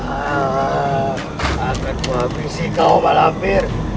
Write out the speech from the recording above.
ah akan ku hampir sih kau malapir